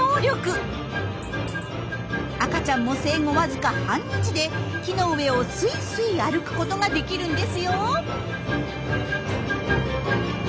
赤ちゃんも生後わずか半日で木の上をすいすい歩くことができるんですよ。